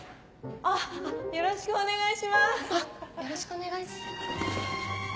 あっよろしくお願いし。